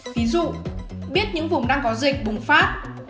ví dụ biết những vùng đang có dịch bùng phát